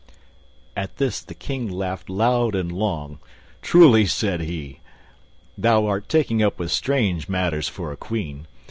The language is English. At this, the King laughed loud and long. "Truly," said he, "thou art taking up with strange matters for a queen.